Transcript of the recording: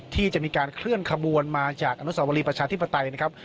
ที่จะมีการเคลื่อนขบวนมาจากอนุสาวรีประชาธิปไตยนะครับ